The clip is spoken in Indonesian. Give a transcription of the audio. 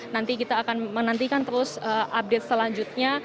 nanti kita akan menantikan terus update selanjutnya